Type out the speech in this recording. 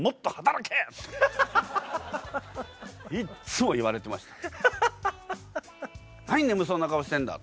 いっつも言われてました。